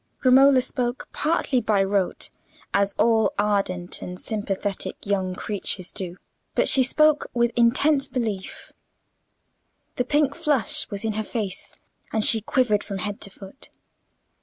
Romola spoke partly by rote, as all ardent and sympathetic young creatures do; but she spoke with intense belief. The pink flush was in her face, and she quivered from head to foot.